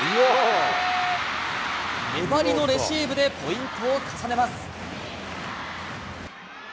粘りのレシーブでポイントを重ねます。